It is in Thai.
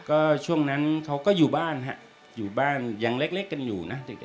ก็ช่วงนั้นเขาก็อยู่บ้านฮะอยู่บ้านยังเล็กกันอยู่นะ